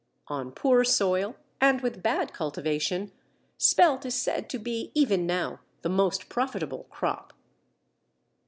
On poor soil and with bad cultivation, "spelt" is said to be even now the most profitable crop.